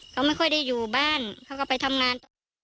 เขาไม่ค่อยได้อยู่บ้านเขาก็ไปทำงานต่อ